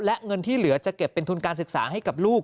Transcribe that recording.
และเงินที่เหลือจะเก็บเป็นทุนการศึกษาให้กับลูก